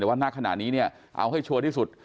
แต่ว่านักขนาดนี้เอาให้ชัดที่สุด